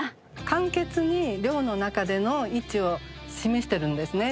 簡潔に寮の中での位置を示しているんですね。